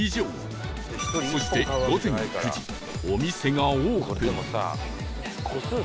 そして午前９時お店がオープン